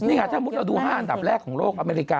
นี่ค่ะถ้ามุติเราดู๕อันดับแรกของโลกอเมริกา